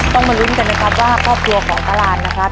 มาลุ้นกันนะครับว่าครอบครัวของตารานนะครับ